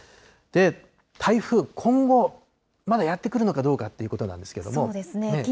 台風、今後、まだやって来るのかどうかということなんですけど。